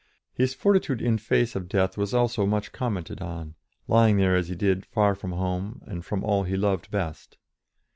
His fortitude in face of death was also much commented on, lying there as he did far from home and from all he loved best.